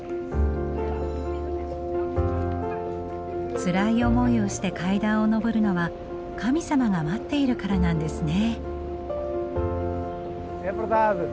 つらい思いをして階段を上るのは神様が待っているからなんですね。